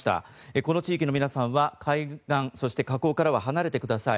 この地域の皆さんは海岸そして河口からは離れてください。